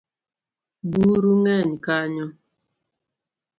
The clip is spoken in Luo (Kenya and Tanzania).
Buru ngeny kanyo